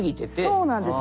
そうなんですよ。